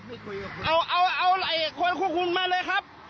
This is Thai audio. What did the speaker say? เอาไหลคนคู่คุณมาเลยครับ